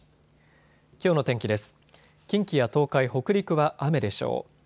きょうの天気です。